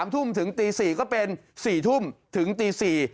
๓ทุ่มถึงตี๔ก็เป็น๔ทุ่มถึงตี๔